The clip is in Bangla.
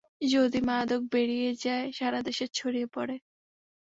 যদি মাদক বেরিয়ে যায়, সারা দেশে ছড়িয়ে পড়ে।